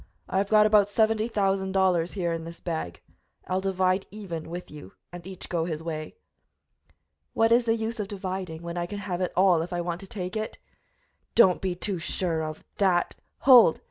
I have got about seventy thousand dollars here in this bag; I'll divide even with you and each go his way." "What is the use of dividing, when I can have it all if I want to take it?" "Do not be too sure of that " "Hold!